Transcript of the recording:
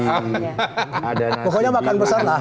pokoknya makan besar lah